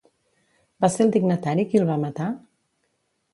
Va ser el dignatari qui el va matar?